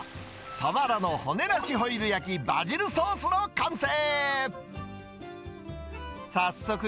サワラの骨なしホイル焼きバジルソースの完成。